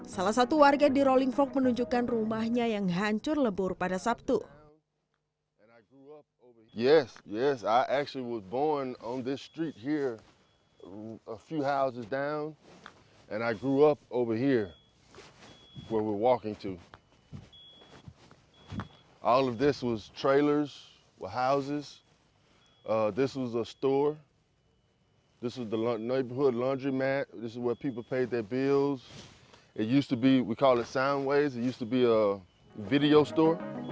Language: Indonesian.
salah satu warga di rolling fork menunjukkan rumahnya yang hancur lebur pada sabtu